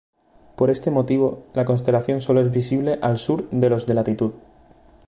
Por este motivo, la constelación solo es visible al sur de los de latitud.